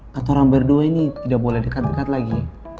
ketua orang berdua ini tidak boleh dekat dekat lagi